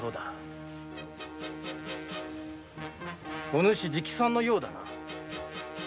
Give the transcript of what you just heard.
お主直参のようだな。